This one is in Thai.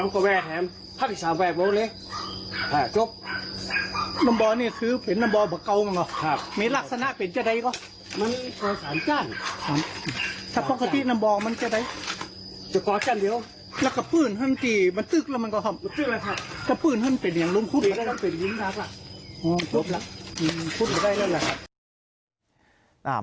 คุดมาได้แล้วนะครับ